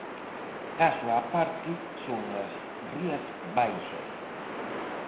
Caso á parte son as Rías Baixas.